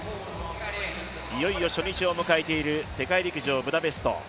いよいよ初日を迎えている世界陸上ブダペスト。